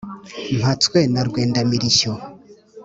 mpatswe na rwenda-mirishyo.